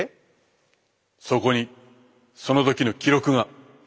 そこにその時の記録が。